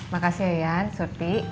makasih ya yan surti